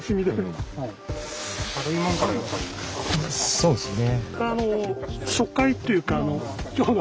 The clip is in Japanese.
そうですね。